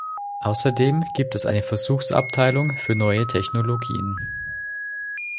Außerdem gibt es eine Versuchsabteilung für neue Technologien.